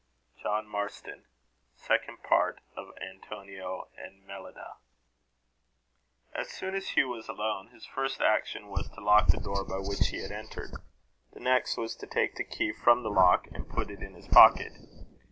JOHN MARSTON. Second Part of Antonio and Mellida. As soon as Hugh was alone, his first action was to lock the door by which he had entered; his next to take the key from the lock, and put it in his pocket.